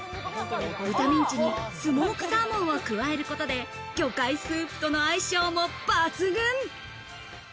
豚ミンチにスモークサーモンを加えることで、魚介スープとの相性も抜群。